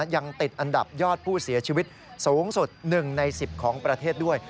ยังติดอันดับยอดผู้เสียชีวิตสูงสุด๑ใน๑๐ของประเทศด้วย